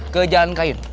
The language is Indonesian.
ke jalan kayun